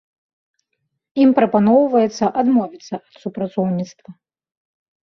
Ім прапаноўваецца адмовіцца ад супрацоўніцтва.